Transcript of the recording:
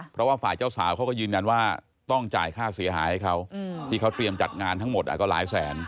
เพราะว่าฝ่ายเจ้าสาวเขาก็ยืนยันว่าต้องจ่ายค่าเสียหายให้เขาที่เขาเตรียมจัดงานทั้งหมดก็หลายแสน